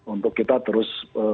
untuk kita terus